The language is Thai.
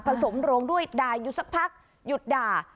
สมโรงด้วยด่าอยู่สักพักหยุดด่า